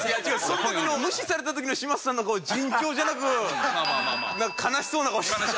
その時の無視された時の嶋佐さんの顔尋常じゃなくなんか悲しそうな顔してた。